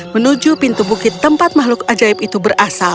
menuju pintu bukit tempat makhluk ajaib itu berasal